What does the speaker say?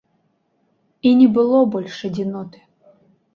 І не было больш адзіноты.